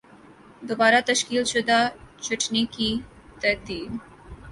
دوبارہ تشکیل شدہ چھٹنی کی ترتیب